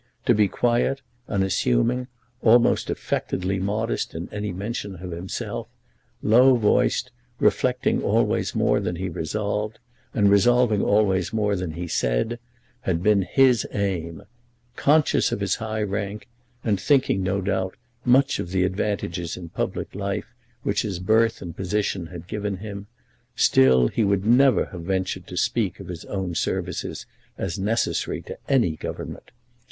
To be quiet, unassuming, almost affectedly modest in any mention of himself, low voiced, reflecting always more than he resolved, and resolving always more than he said, had been his aim. Conscious of his high rank, and thinking, no doubt, much of the advantages in public life which his birth and position had given him, still he would never have ventured to speak of his own services as necessary to any Government.